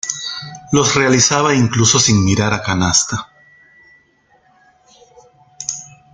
Los realizaba incluso sin mirar a canasta.